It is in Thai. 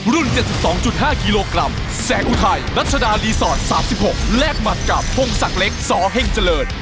๗๒๕กิโลกรัมแสงอุทัยรัชดารีสอร์ท๓๖แลกหมัดกับพงศักดิ์เล็กสเฮ่งเจริญ